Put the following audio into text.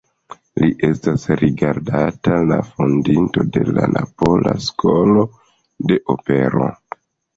Li estas rigardata la fondinto de la napola skolo de opero.